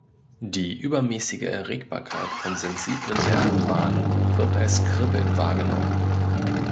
Die übermäßige Erregbarkeit von sensiblen Nervenbahnen wird als Kribbeln wahrgenommen.